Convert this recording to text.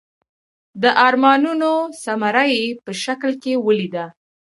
د ارمانونو ثمره یې په شکل کې ولیده.